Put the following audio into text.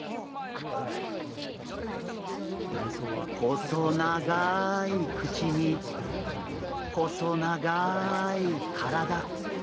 細長い口に細長い体。